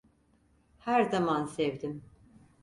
Her zaman sevdim.